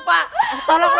ki asing sekali kakéh